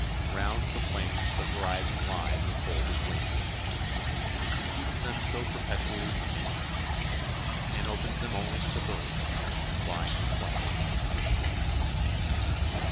Round the plains the horizon lies with folded wings. It keeps them so perpetually for man, and opens them only for the bird, replying to flight with flight.